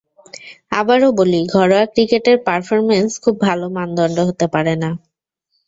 আবারও বলি, ঘরোয়া ক্রিকেটের পারফরম্যান্স খুব ভালো মানদণ্ড হতে পারে না।